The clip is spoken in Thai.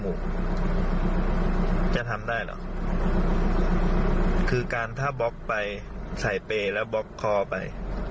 เราทำได้หรอกคือการท่ามคอร์ดไปส่ายพี่แล้วบอกคไป